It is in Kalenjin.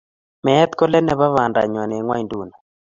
Meet ko let nebo bandanyo eng ingwenduni.